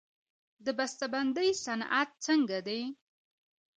د بسته بندۍ صنعت څنګه دی؟